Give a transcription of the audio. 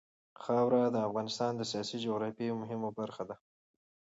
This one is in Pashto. خاوره د افغانستان د سیاسي جغرافیه یوه مهمه برخه ده.